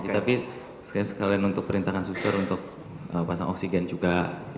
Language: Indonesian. tapi sekalian untuk perintahkan suster untuk pasang oksigen juga